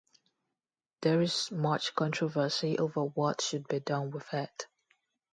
There is much controversy over what should be done with it.